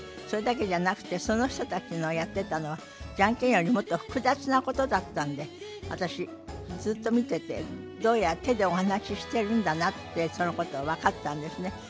それだけじゃなくてその人たちのやってたのはジャンケンよりもっと複雑なことだったんで私ずっと見ててどうやら手でお話ししてるんだなってそのことが分かったんですね。